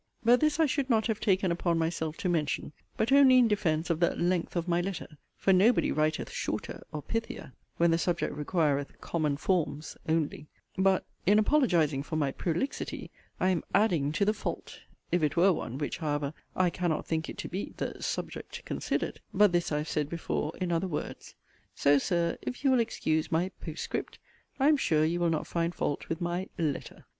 But this I should not have taken upon myself to mention, but only in defence of the 'length' of my letter; for nobody writeth 'shorter' or 'pithier,' when the subject requireth 'common forms' only but, in apologizing for my 'prolixity,' I am 'adding' to the 'fault,' (if it were one, which, however, I cannot think it to be, the 'subject' considered: but this I have said before in other words:) so, Sir, if you will excuse my 'post script,' I am sure you will not find fault with my 'letter.'